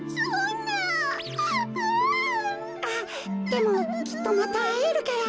でもきっとまたあえるから。